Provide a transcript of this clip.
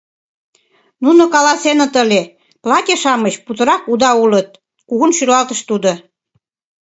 Нуно каласеныт ыле: платье-шамыч путырак уда улыт, — кугун шӱлалтыш тудо.